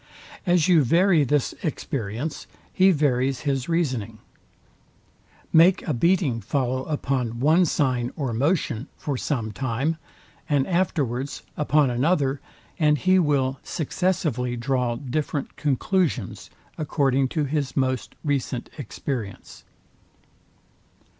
As you vary this experience, he varies his reasoning. Make a beating follow upon one sign or motion for some time, and afterwards upon another; and he will successively draw different conclusions, according to his most recent experience.